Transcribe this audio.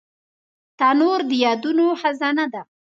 تنور د یادونو خزانه ده